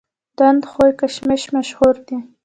د اندخوی کشمش مشهور دي